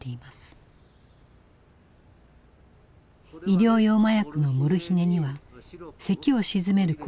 医療用麻薬のモルヒネにはせきを鎮める効果もあります。